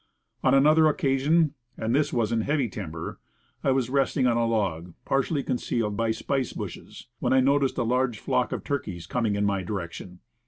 On another occasion and this was in heavy tim ber I was resting on a log, partially concealed by spice bushes, when I noticed a large flock of turkeys coming in my direction.